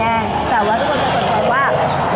แต่ว่าทุกคนจะสนใจว่า